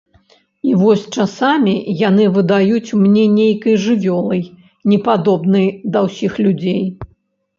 І вось часамі яны выдаюць мне нейкай жывёлай, непадобнай да ўсіх людзей.